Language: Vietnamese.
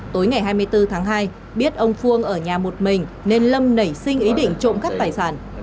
trong ngày hai mươi bốn tháng hai biết ông phuông ở nhà một mình nên lâm nảy sinh ý định trộm các tài sản